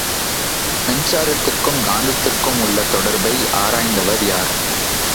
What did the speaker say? மின்சாரத்திற்கும் காந்தத்திற்குமுள்ள தொடர்பை ஆராய்ந்தவர் யார்?